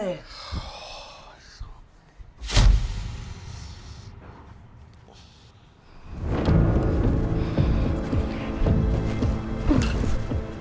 ได้เดือน